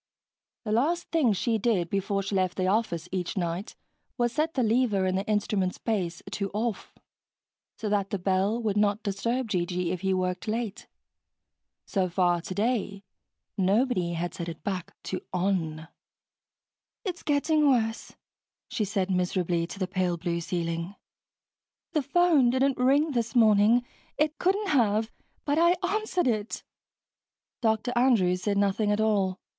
The last thing she did before she left the office each night was set the lever in the instrument's base to "off," so that the bell would not disturb G.G. if he worked late. So far today, nobody had set it back to "on." "It's getting worse," she said miserably to the pale blue ceiling. "The phone didn't ring this morning it couldn't have but I answered it." Dr. Andrews said nothing at all.